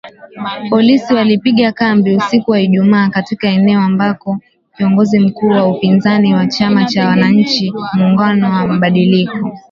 Polisi walipiga kambi usiku wa Ijumaa katika eneo ambako kiongozi mkuu wa upinzani wa chama cha wananchi muungano wa mabadiliko